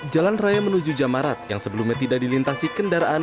jalan raya menuju jamarat yang sebelumnya tidak dilintasi kendaraan